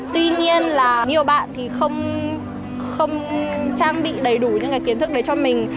tuy nhiên nhiều bạn không trang bị đầy đủ những kiến thức để cho mình